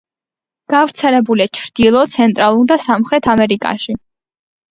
გავრცელებულია ჩრდილო, ცენტრალურ და სამხრეთ ამერიკაში.